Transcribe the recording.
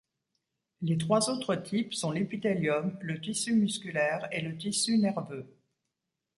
Les trois autres types sont l'épithélium, le tissu musculaire, et le tissu nerveux.